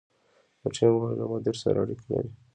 د ټیم غړي له مدیر سره اړیکې لري.